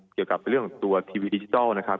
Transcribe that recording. เกี่ยวกับเรื่องของตัวทีวีดิจิทัลนะครับ